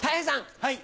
はい。